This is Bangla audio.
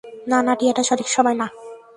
না, না, টিয়া, এটা সঠিক সময় না।